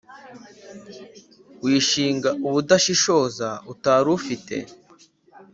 wishinga ubudashishoza utari ufite